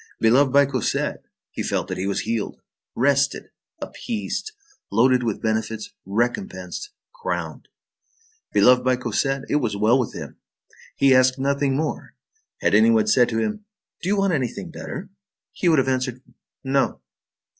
Beloved by Cosette, he felt that he was healed, rested, appeased, loaded with benefits, recompensed, crowned. Beloved by Cosette, it was well with him! He asked nothing more! Had any one said to him: "Do you want anything better?" he would have answered: "No."